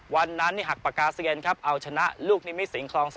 วันนั้นหักปากกาเซียนครับเอาชนะลูกนิมิตสิงคลอง๓